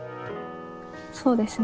そうですね。